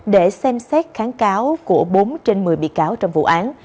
để xem xét kháng cáo của bốn trên một mươi bị cáo trong vụ án